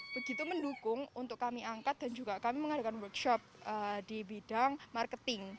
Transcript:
begitu mendukung untuk kami angkat dan juga kami mengadakan workshop di bidang marketing